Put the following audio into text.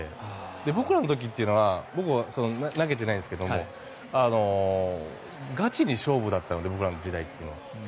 僕らの時というのは僕、投げてないんですけどガチの勝負だったので僕らの時代は。